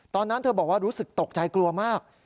เธอบอกว่ารู้สึกตกใจกลัวมาก